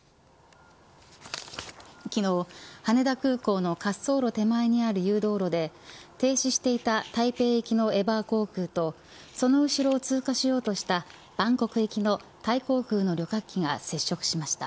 昨日、羽田空港の滑走路手前にある誘導路で停止していた台北行きのエバー航空とその後ろを通過しようとしたバンコク行きのタイ航空の旅客機が接触しました。